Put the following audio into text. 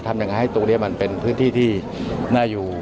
ตราบใดที่ตนยังเป็นนายกอยู่